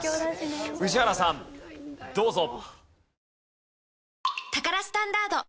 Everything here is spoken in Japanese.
宇治原さんどうぞ！